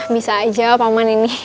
bisa aja pak man ini